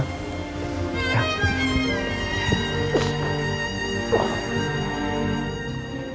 padahal elsa baik baik aja